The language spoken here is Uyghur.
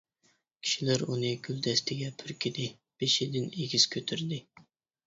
كىشىلەر ئۇنى گۈلدەستىگە پۈركىدى، بېشىدىن ئېگىز كۆتۈردى.